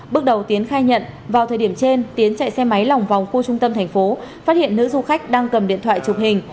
bước đầu tiến khai nhận vào thời điểm trên tiến chạy xe máy lòng vòng khu trung tâm thành phố phát hiện nữ du khách đang cầm điện thoại chụp hình